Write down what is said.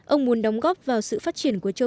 ông muốn đóng góp vào sự phát triển của châu âu